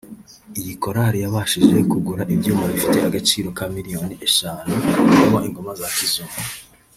Iyi Korale yabashije kugura ibyuma bifite agaciro ka milliyoni eshanu harimo ingoma za kizungu